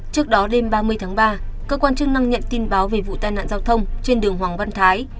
trước đó đêm ba mươi tháng ba cơ quan chức năng nhận tin báo về vụ tai nạn giao thông trên đường hoàng văn thái